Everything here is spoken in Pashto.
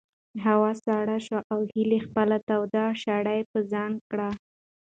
هوا سړه شوه او هیلې خپله توده شړۍ په ځان کړه.